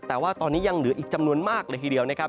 แต่ว่าตอนนี้ยังเหลืออีกจำนวนมากเลยทีเดียวนะครับ